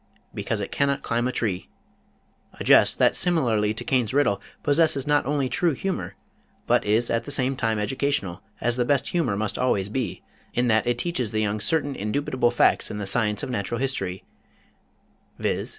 Because it cannot climb a tree," a jest that similarly to Cain's riddle, possesses not only true humor but is at the same time educational, as the best humor must always be, in that it teaches the young certain indubitable facts in the Science of Natural History, viz.